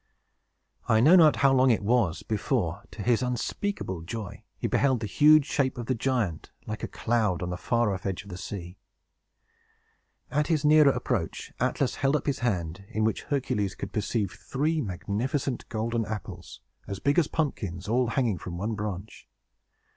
I know not how long it was before, to his unspeakable joy, he beheld the huge shape of the giant, like a cloud, on the far off edge of the sea. At his nearer approach, Atlas held up his hand, in which Hercules could perceive three magnificent golden apples, as big as pumpkins, all hanging from one branch.